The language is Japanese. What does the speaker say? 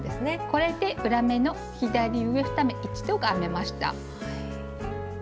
これで「裏目の左上２目一度」が編めました。